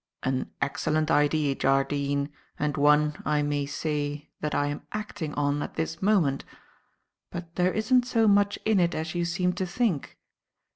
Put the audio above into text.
"An excellent idea, Jardine, and one, I may say, that I am acting on at this moment. But there isn't so much in it as you seem to think.